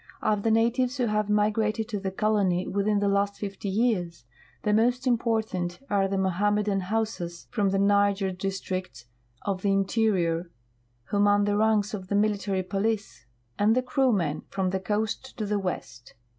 Of the natives who have migrated to the colony within the last lift}' years, the most im l)ortant are tlie INlohannnedan Haussas, from the Niger districts ■of the interior, who man the ranks of the military police, and the Krumen, from the coast to the west.